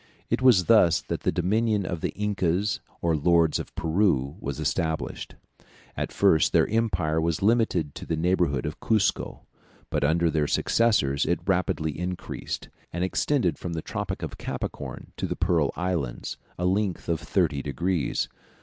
It was thus that the dominion of the Incas or Lords of Peru was established. At first their empire was limited to the neighbourhood of Cuzco, but under their successors it rapidly increased, and extended from the Tropic of Capricorn to the Pearl Islands, a length of thirty degrees.